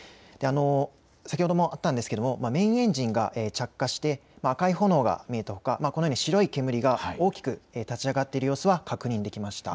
先ほどもあったんですが、メインエンジンが着火して赤い炎が見えたほか白い煙が大きく立ち上がっている様子が確認できました。